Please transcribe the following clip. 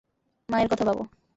মায়ের কথা ভাব।